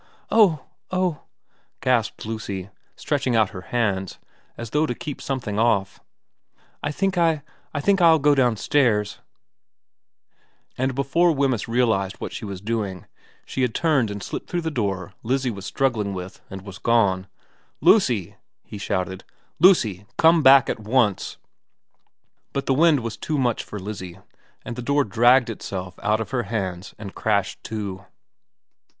' Oh oh ' gasped Lucy, stretching out her hands as though to keep something off, ' I think I I think I'll go downstairs ' And before Wemyss realised what she was doing, she had turned and slipped through the door Lizzie was struggling with and was gone. 212 VERA nx ' Lucy !' he shouted, ' Lucy ! Come back at once !' But the wind was too much for Lizzie, and the door dragged itself out of her hands and crashed to.